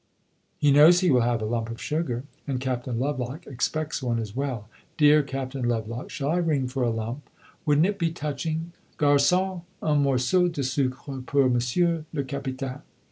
He knows he will have a lump of sugar, and Captain Lovelock expects one as well. Dear Captain Lovelock, shall I ring for a lump? Would n't it be touching? Garcon, un morceau de sucre pour Monsieur le Capitaine!